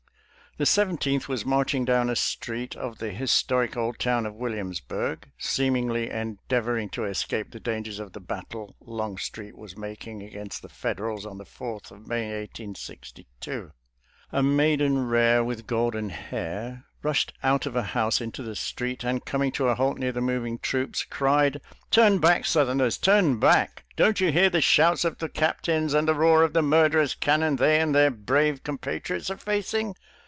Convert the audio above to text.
The Seventfeenth was marching down a street of the historic old town of Williamsburg, seemingly endeavoring to escape the dangers of the battle Longstreet was making against the Federals on the 4th of May, 1862. "A maiden rare, with golden hair," rushed out of a house into the street, and com ing to a halt near the moving troops, cried, " Turn back. Southerners — turn back ! Don't you hear the shouts of the captains and the roar of the murderous cannon they and their brave 198 SOLDIER'S LETTERS i TO CHARMING NELLIE compatriots; are facing?